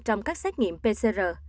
trong các xét nghiệm pcr